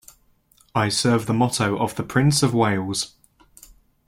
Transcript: I serve the motto of the Prince of Wales.